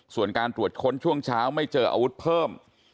ส่วนการตรวจค้นช่วงเช้าไม่เจออาวุธเพิ่ม